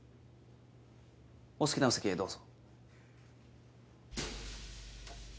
お好きなお席へどうぞ。